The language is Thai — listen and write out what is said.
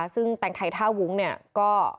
ซึ่งแต่งไทท่าวุ้งก็